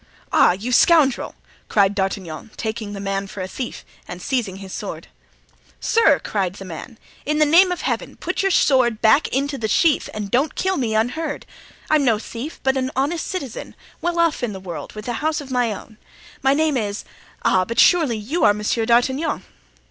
"Ah! you scoundrel!" cried D'Artagnan, taking the man for a thief and seizing his sword. "Sir!" cried the man, "in the name of Heaven put your sword back into the sheath and don't kill me unheard. I'm no thief, but an honest citizen, well off in the world, with a house of my own. My name is—ah! but surely you are Monsieur d'Artagnan?"